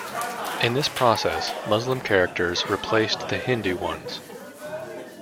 In this process, Muslim characters replaced the Hindu ones.